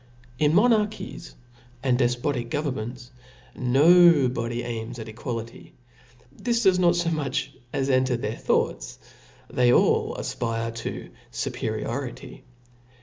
In monarchies and defpotic govemments, no body aims at equality ; this does not fo much as enter their thoughts ; they all afpre to fuperiority.